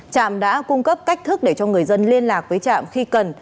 trạm đã cung cấp cách thức để cho người dân liên lạc với trạm khi cần